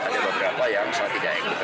ada beberapa yang sangat tidak ikut